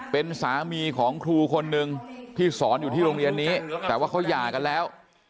เป็นสามีของครูคนนึงที่สอนอยู่ที่โรงเรียนนี้แต่ว่าเขาหย่ากันแล้ว